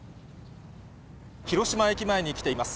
広島駅前に来ています。